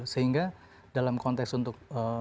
sehingga dalam konteks untuk